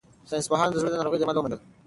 ساینس پوهانو د زړه د ناروغیو درمل وموندل.